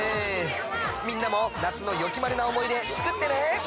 みんなも夏のよきまるなおもいでつくってね！